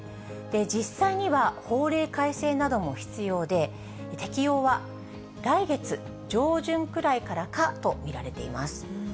実際には法令改正なども必要で、適用は来月上旬くらいからかと見られています。